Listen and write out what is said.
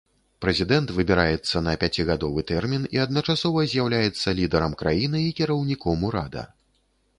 Прэзідэнт выбіраецца на пяцігадовы тэрмін і адначасова з'яўляецца лідарам краіны і кіраўніком урада.